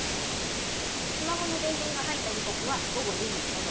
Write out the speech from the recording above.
スマホの電源が入った時刻は午後２時ちょうど。